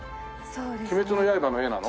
『鬼滅の刃』の絵なの？